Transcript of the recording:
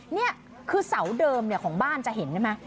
นี่คือเสาเดิมของบ้านจะเห็นใช่ไหม